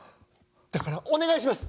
だからお願いします！